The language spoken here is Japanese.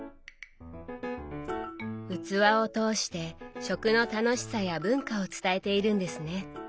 器を通して食の楽しさや文化を伝えているんですね。